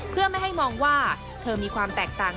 เพื่อไม่ให้มองว่าเธอมีความแตกต่าง